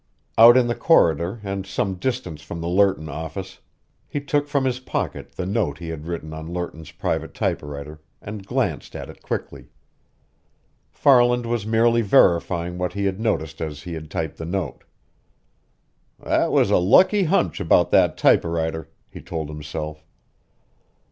Out in the corridor and some distance from the Lerton office, he took from his pocket the note he had written on Lerton's private typewriter and glanced at it quickly. Farland was merely verifying what he had noticed as he had typed the note. "That was a lucky hunch about that typewriter," he told himself.